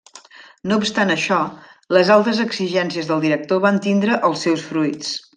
No obstant això, les altes exigències del director van tindre els seus fruits.